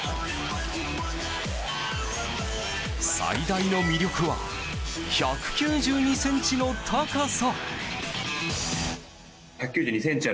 最大の魅力は１９２ｃｍの高さ。